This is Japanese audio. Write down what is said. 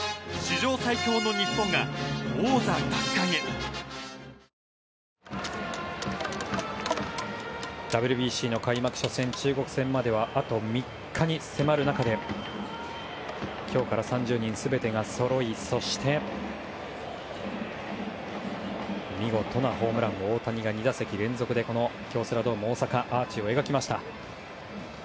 この体験をあなたもキリンのクラフトビール「スプリングバレー」からＷＢＣの開幕初戦中国戦まではあと３日に迫る中で今日から３０人全てがそろいそして、見事なホームランも大谷が２打席連続でこの京セラドーム大阪アーチを描きました。